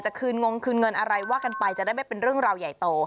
คืนงงคืนเงินอะไรว่ากันไปจะได้ไม่เป็นเรื่องราวใหญ่โต